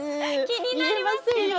気になりますけど。